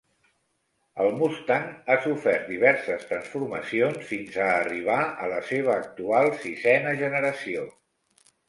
El Mustang ha sofert diverses transformacions fins a arribar a la seva actual sisena generació.